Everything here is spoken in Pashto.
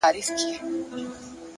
د حقیقت درناوی عقل پیاوړی کوي